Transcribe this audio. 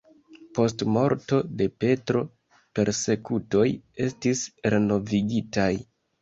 Post morto de Petro persekutoj estis renovigitaj.